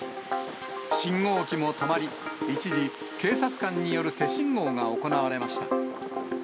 信号機も止まり、一時、警察官による手信号が行われました。